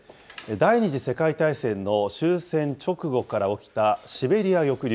第２次世界大戦の終戦直後から起きたシベリア抑留。